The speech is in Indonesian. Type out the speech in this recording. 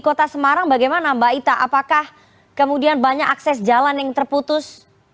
kota semarang bagaimana mbak ita apakah kemudian banyak akses jalan yang terputus